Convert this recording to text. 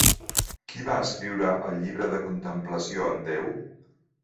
Qui va escriure El Llibre de contemplació en Déu?